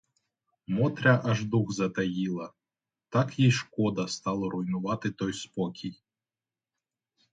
Мотря аж дух затаїла, — так їй шкода стало руйнувати той спокій.